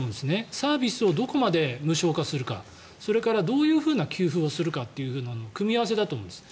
サービスをどこまで無償化するかそれからどういうふうな給付をするかの組み合わせだと思うんです。